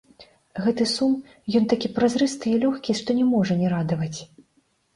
Гэты сум, ён такі празрысты і лёгкі, што не можа не радаваць.